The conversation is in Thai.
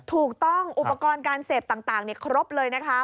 อุปกรณ์การเสพต่างครบเลยนะคะ